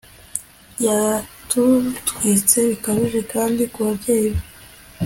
Yatutswe bikabije kandi kubabyeyi be